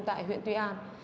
tại huyện tuy an